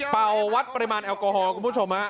วัดปริมาณแอลกอฮอล์คุณผู้ชมฮะ